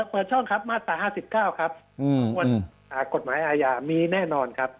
เปิดช่องครับมาตรา๕๙ครับของวันกฎหมายอาญามีแน่นอนครับ